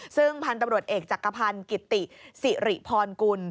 ซึ่งภัณฑ์ตำรวจเอกจัดกระพันธ์กิตติศรีภรคุณ